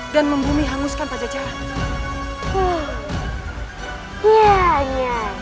dan membumi hanguskan pajajaran